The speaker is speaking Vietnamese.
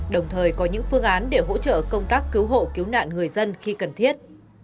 đồng thời có những phương án để hỗ trợ công tác cứu hộ cứu nạn người dân khi cần thiết